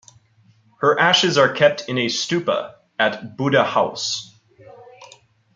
Her ashes are kept in a stupa at Buddha Haus.